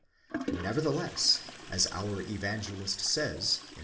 Nevertheless, as our evangelist says, v.